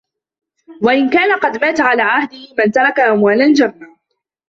وَإِنْ كَانَ قَدْ مَاتَ عَلَى عَهْدِهِ مَنْ تَرَكَ أَمْوَالًا جَمَّةً